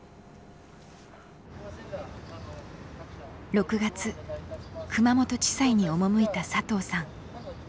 ６月熊本地裁に赴いた佐藤さん。